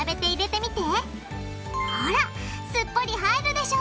ほらすっぽり入るでしょ